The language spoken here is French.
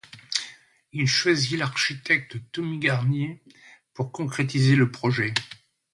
Il choisit l'architecte Tony Garnier pour concrétiser le projet.